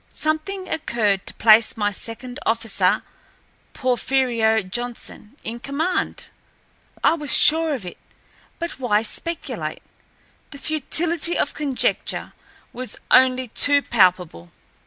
Something occurred to place my second officer, Porfirio Johnson, in command. I was sure of it but why speculate? The futility of conjecture was only too palpable.